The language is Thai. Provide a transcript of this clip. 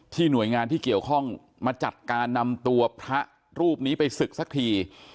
หน่วยงานที่เกี่ยวข้องมาจัดการนำตัวพระรูปนี้ไปศึกสักที